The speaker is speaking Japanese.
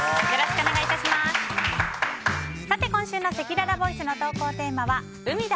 今週のせきららボイスの投稿テーマは海だ！